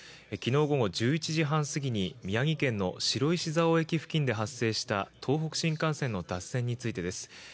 昨日午後１１時半過ぎに宮城県の白石蔵王駅付近で発生した東北新幹線の脱線についてです。